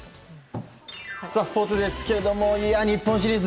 スポーツですけども日本シリーズ